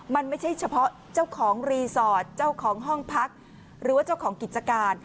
มันไม่ใช่เฉพาะเจ้าของรีสอร์ทเจ้าของห้องพักหรือว่าเจ้าของกิจการ